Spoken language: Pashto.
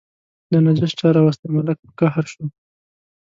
دا نجس چا راوستی، ملک په قهر شو.